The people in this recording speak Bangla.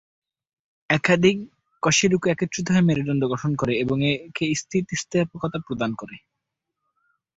একাধিক কশেরুকা একত্রিত হয়ে মেরুদণ্ড গঠন করে এবং একে স্থিতিস্থাপকতা প্রদান করে।